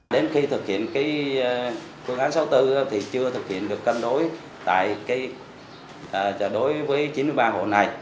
đến khi thực hiện cơ gái sáu mươi bốn thì chưa thực hiện được cân đối đối với chín mươi ba hồ này